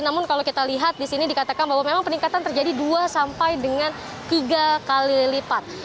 namun kalau kita lihat di sini dikatakan bahwa memang peningkatan terjadi dua sampai dengan tiga kali lipat